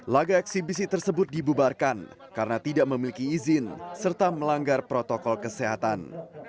laga eksibisi tersebut dibubarkan karena tidak memiliki izin serta melanggar protokol kesehatan